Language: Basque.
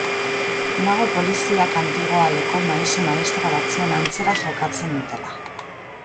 Nago poliziak antigoaleko maisu-maistra batzuen antzera jokatzen duela.